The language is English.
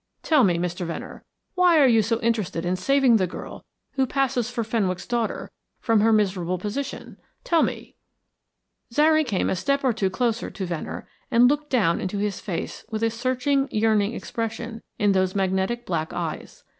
Tell me, Mr. Venner, why are you so interested in saving the girl who passes for Fenwick's daughter from her miserable position? Tell me." Zary came a step or two closer to Venner and looked down into his face with a searching yearning expression in those magnetic black eyes.